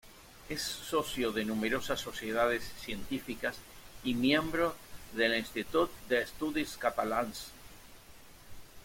Es socio de numerosas sociedades científicas y miembro del Institut d'Estudis Catalans.